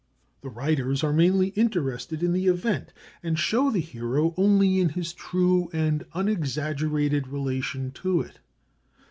The writers are mainly interested in the event, and show the hero only in his true and unexaggerated relation to it.